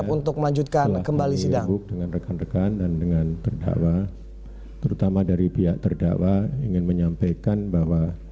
pertanyaan yang terakhir adalah